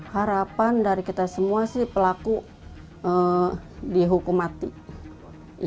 harapan dari kita semua sih pelaku dihukum mati